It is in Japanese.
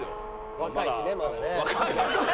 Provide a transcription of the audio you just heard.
若いしねまだね。